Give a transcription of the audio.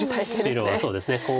白はそうですね。